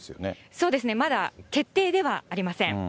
そうですね、まだ決定ではありません。